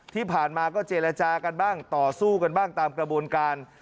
ที่ผ่านมาก็เจรจากันบ้างต่อสู้กันบ้างตามกระบวนการ